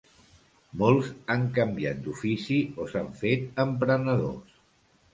Molts han canviat d’ofici o s’han fet emprenedors.